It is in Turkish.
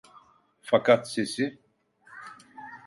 Fakat sesi…